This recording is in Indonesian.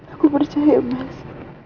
aku percaya mas